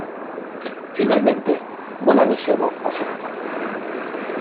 Finalmente, Bola de Sebo acepta.